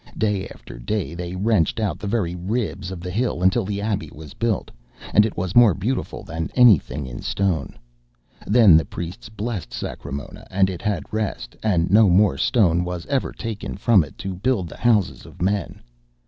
Day after day they wrenched out the very ribs of the hill until the Abbey was builded, and it was more beautiful than anything in stone. Then the priests blessed Sacremona, and it had rest, and no more stone was ever taken from it to build the houses of men.